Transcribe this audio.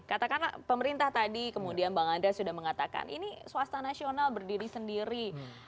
katakanlah pemerintah tadi kemudian bang andreas sudah mengatakan ini swasta nasional berdiri sendiri